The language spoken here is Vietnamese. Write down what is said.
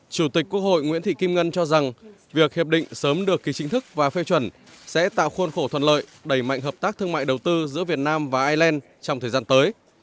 chủ tịch quốc hội nguyễn thị kim ngân cho rằng việc hiệp định sớm được ký chính thức và phê chuẩn sẽ tạo khôn khổ thuận lợi đẩy mạnh hợp tác thương mại đầu tư giữa việt nam và ireland trong thời gian tới